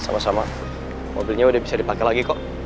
sama sama mobilnya udah bisa dipakai lagi kok